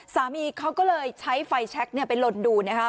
สามีเขาก็เลยใช้ไฟแชคไปลนดูนะคะ